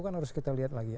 kan harus kita lihat lagi